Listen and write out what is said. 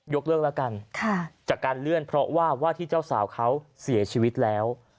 เลิกแล้วกันจากการเลื่อนเพราะว่าว่าที่เจ้าสาวเขาเสียชีวิตแล้ว